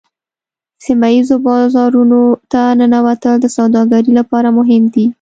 سیمه ایزو بازارونو ته ننوتل د سوداګرۍ لپاره مهم دي